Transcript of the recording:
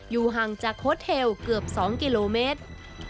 ห่างจากโค้ดเทลเกือบ๒กิโลเมตร